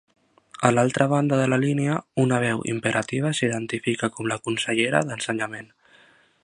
A l'altra banda de la línia una veu imperativa s'identifica com la consellera d'Ensenyament.